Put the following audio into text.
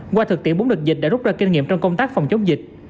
qua thực tiễn bốn đợt dịch đã rút ra kinh nghiệm trong công tác phòng chống dịch